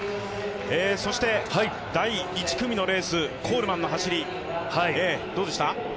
そして第１組のレースコールマンの走りどうでした？